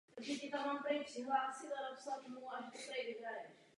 Zmiňuje jej Alois Jirásek v románu „U nás“.